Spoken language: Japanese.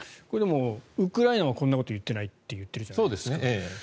これはでも、ウクライナはこんなことを言ってないって言ってるじゃないですか。